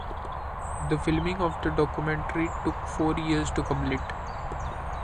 The filming of the documentary took four years to complete.